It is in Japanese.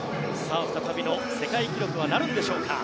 再びの世界記録はなるんでしょうか。